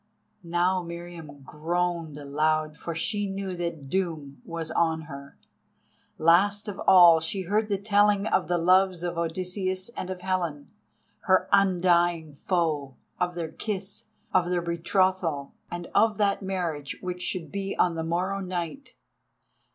Now Meriamun groaned aloud, for she knew that doom was on her. Last of all, she heard the telling of the loves of Odysseus and of Helen, her undying foe, of their kiss, of their betrothal, and of that marriage which should be on the morrow night.